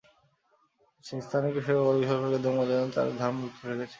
স্থানীয় কৃষকেরা বলছেন, সরকারি গুদামে সরবরাহের জন্য তাঁরা ধান মজুত করে রেখেছেন।